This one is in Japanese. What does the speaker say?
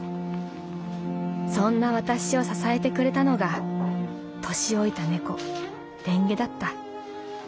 「そんな私を支えてくれたのが年老いた猫レンゲだった。